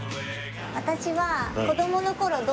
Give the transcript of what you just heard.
私は。